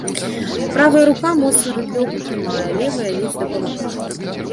Правая рука моцна рыдлёўку трымае, левая ледзь дапамагае.